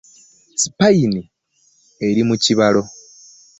Sipayini eri mu kibalo.